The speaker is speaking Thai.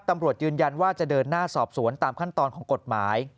ตำรวจยืนยันว่าจะเดินหน้าสอบสวนตามขั้นตอนของกฎหมาย